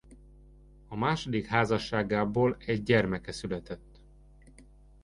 A második házasságából egy gyermeke született.